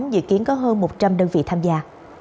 dự kiến có hơn một trăm linh đơn vị tham gia